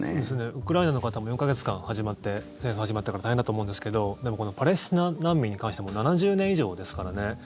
ウクライナの方も４か月間戦争が始まってから大変だと思うんですけどパレスチナ難民に関しては７０年以上ですからね。